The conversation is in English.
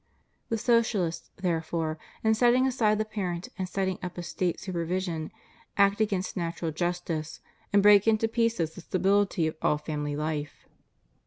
* The Socialists, there fore, in setting aside the parent and setting up a State supervision, act against natural justice, and break into pieces the stability of all family life.